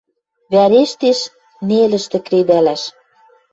Вӓрештеш нелӹштӹ кредӓлӓш